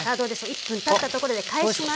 １分たったところで返します。